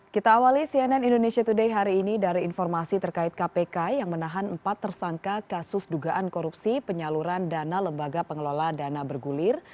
kita awali cnn indonesia today hari ini dari informasi terkait kpk yang menahan empat tersangka kasus dugaan korupsi penyaluran dana lembaga pengelola dana bergulir